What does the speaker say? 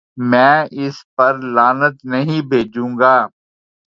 میں اس پر لعنت نہیں بھیجوں گا۔